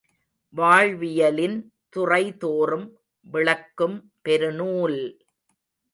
வாழ்வியலின் துறைதோறும் விளக்கும் பெருநூல்!